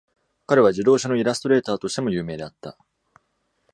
彼は児童書のイラストレーターとしても有名であった。